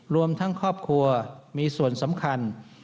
รวมทั้งครอบครัวมีส่วนสำคัญ